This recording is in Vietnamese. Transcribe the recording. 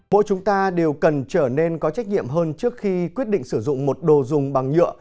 mỗi chúng ta đều cần trở nên có trách nhiệm hơn trước khi quyết định sử dụng một đồ dùng bằng nhựa